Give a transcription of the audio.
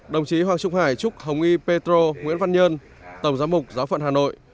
đồng chí hoàng trung hải chúc hồng y petro nguyễn văn nhân tổng giám mục giáo phận hà nội